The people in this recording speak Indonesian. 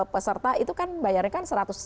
peserta itu kan bayarnya